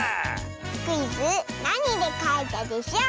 クイズ「なにでかいたでショー」